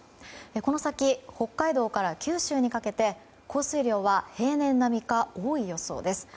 この先、北海道から九州にかけて降水量は平年並みか多い予想です。